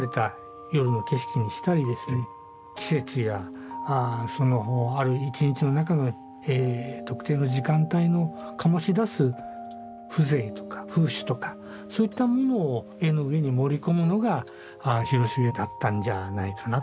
季節やそのある一日の中の特定の時間帯の醸し出す風情とか風趣とかそういったものを絵の上に盛り込むのが広重だったんじゃないかな。